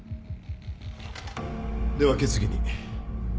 では決議に